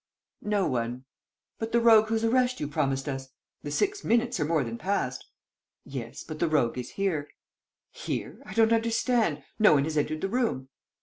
"No one." "But the rogue whose arrest you promised us? The six minutes are more than past." "Yes, but the rogue is here!" "Here? I don't understand. No one has entered the room!"